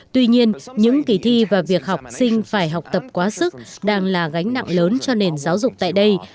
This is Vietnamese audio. tuy nhiên những kỳ thi và việc học sinh phải học tập quá sức đang là gánh nặng lớn cho nền giáo dục tại đây